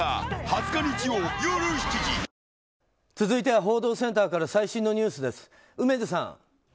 続いては報道センターから最新のニュースです、梅津さん。